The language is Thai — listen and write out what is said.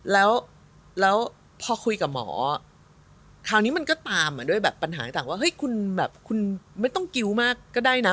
แล้วพอคุยกับหมอคราวนี้มันก็ตามด้วยแบบปัญหาต่างว่าเฮ้ยคุณแบบคุณไม่ต้องกิ๊วมากก็ได้นะ